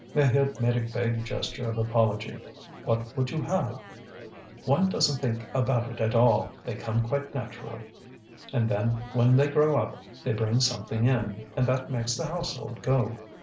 Maheude made a vague gesture of apology. What would you have? One doesn't think about it at all, they come quite naturally. And then, when they grow up they bring something in, and that makes the household go.